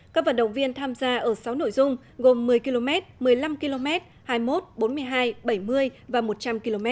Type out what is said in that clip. các vận động viên tham gia ở sáu nội dung gồm một mươi km một mươi năm km hai mươi một bốn mươi hai bảy mươi và một trăm linh km